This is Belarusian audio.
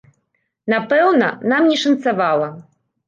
Напэўна, нам не шанцавала.